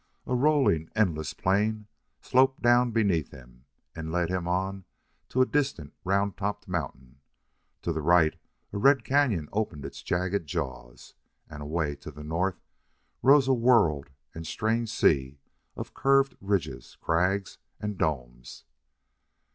A rolling, endless plain sloped down beneath him, and led him on to a distant round topped mountain. To the right a red cañon opened its jagged jaws, and away to the north rose a whorled and strange sea of curved ridges, crags, and domes.